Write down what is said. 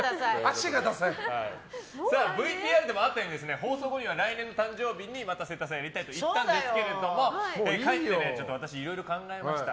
ＶＴＲでもあったように放送後には来年の誕生日にまた生誕祭をやりたいと言ったんですけど帰って私、いろいろ考えました。